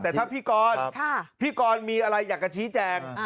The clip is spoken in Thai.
แต่ถ้าพี่กรพี่กรมีอะไรอยากจะชี้แจง